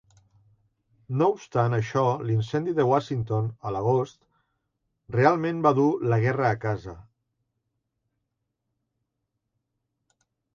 No obstant això, l'incendi de Washington, a l'agost, realment va dur la guerra a casa.